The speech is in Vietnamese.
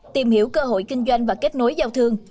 tìm hiểu cơ hội kinh doanh và kết nối giao thương